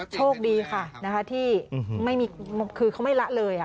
โชคดีค่ะที่คือเขาไม่ละเลย